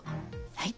はい。